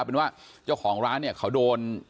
เป็นว่าเจ้าของร้านเนี่ยเขาโดน